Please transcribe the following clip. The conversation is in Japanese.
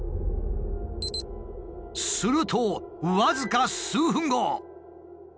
すると僅か数分後。